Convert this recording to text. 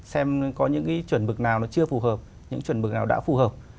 xem có những cái chuẩn mực nào nó chưa phù hợp những chuẩn mực nào đã phù hợp